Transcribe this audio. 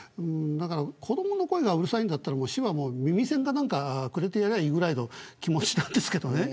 子どもの声がうるさいなら市は耳栓か何かくれてやればいいぐらいの気持ちなんですけどね。